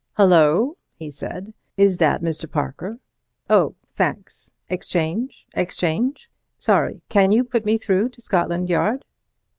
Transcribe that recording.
"Hullo!" he said. "Is that Mr. Parker? Oh, thanks! Exchange! Exchange! Sorry, can you put me through to Scotland Yard?